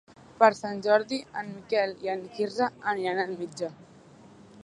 Per Sant Jordi en Miquel i en Quirze aniran al metge.